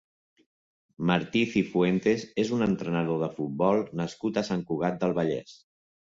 Martí Cifuentes és un entrenador de futbol nascut a Sant Cugat del Vallès.